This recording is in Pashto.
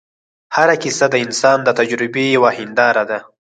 هره کیسه د انسان د تجربې یوه هنداره ده.